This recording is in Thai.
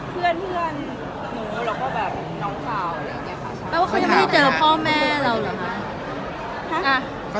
ไม่ค่ะ